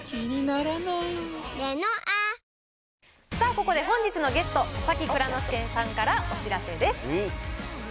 ここで本日のゲスト、佐々木蔵之介さんからお知らせです。